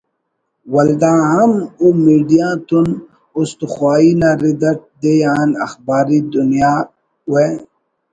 ولدا ہم او میڈیا تون است خواہی نا رد اٹ دے آن اخباری دنیا و